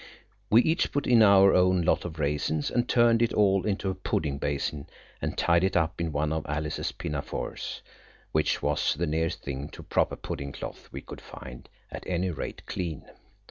We each put in our own lot of raisins and turned it all into a pudding basin, and tied it up in one of Alice's pinafores, which was the nearest thing to a proper pudding cloth we could find–at any rate clean.